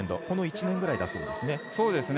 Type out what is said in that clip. この１年ぐらいだそうですね。